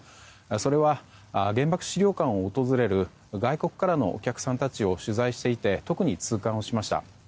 それは原爆資料館を訪れる外国からのお客さんたちを取材していて特に痛感をしました。